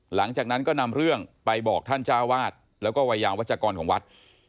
หลังจากนั้นก็นำเรื่องไปบอกท่านเจ้าวาดแล้วก็วัยยาวัชกรของวัด